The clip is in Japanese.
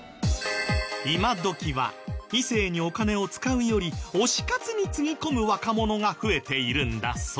今どきは異性にお金を使うより推し活につぎ込む若者が増えているんだそう。